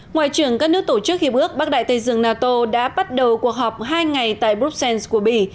ngoại trưởng các nước tổ chức hiệp ước bắc đại tây dương nato đã bắt đầu cuộc họp hai ngày tại bruxelles của bỉ